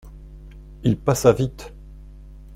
Il passa vite.